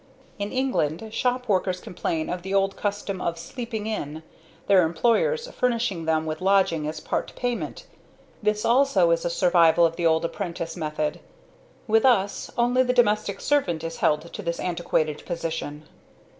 "In England shop workers complain of the old custom of 'sleeping in' their employers furnishing them with lodging as part payment; this also is a survival of the old apprentice method. With us, only the domestic servant is held to this antiquated position."